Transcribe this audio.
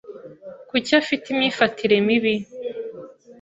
Kuki afite imyifatire mibi?